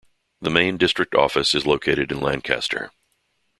The main district office is located in Lancaster.